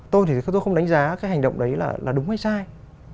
tôi thì tôi không đánh giá cái hành động đấy là đúng hay sai